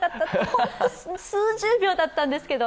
ほんの数十秒だったんですけど。